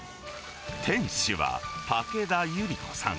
店主は武田祐理子さん。